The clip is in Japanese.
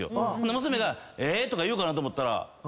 娘が「え！」とか言うと思ったら。